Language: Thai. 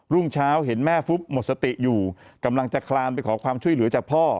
รุ่งเช้าเห็นแม่ฟุบหมดสติอยู่กำลังจะคลานไปขอความช่วยเหลือจากพ่อ